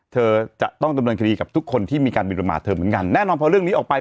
เธอจะต้องดำเนินคดีกับทุกคนที่มีการบินประมาทเธอเหมือนกันแน่นอนพอเรื่องนี้ออกไป